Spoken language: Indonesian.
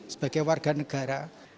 sebagai warga negara